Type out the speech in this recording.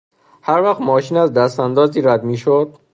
هر وقت ماشین از دستاندازی رد میشد...